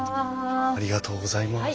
ありがとうございます。